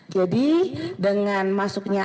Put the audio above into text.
jadi dengan masuknya